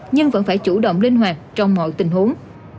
nhưng vẫn phải chủ động linh hoạt trong mọi tình huống